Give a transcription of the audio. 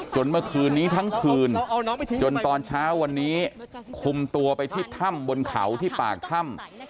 เมื่อคืนนี้ทั้งคืนจนตอนเช้าวันนี้คุมตัวไปที่ถ้ำบนเขาที่ปากถ้ำ